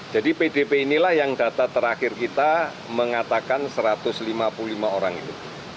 jadi pdp inilah yang data terakhir kita mengatakan satu ratus lima puluh lima orang itu